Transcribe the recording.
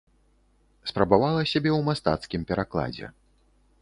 Спрабавала сябе ў мастацкім перакладзе.